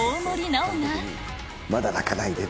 「まだ泣かないで」